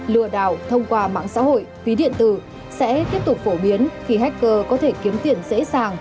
lừa đảo thông qua mạng xã hội ví điện tử sẽ tiếp tục phổ biến khi hacker có thể kiếm tiền dễ dàng